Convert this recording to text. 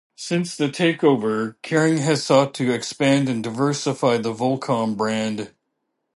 Since the takeover, Kering has sought to expand and diversify the Volcom brand.